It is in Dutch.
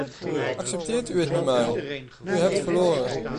Accepteert u het nu maar; u hebt verloren.